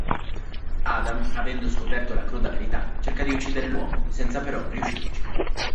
Adam, avendo scoperto la cruda verità, cerca di uccidere l'uomo senza però riuscirci.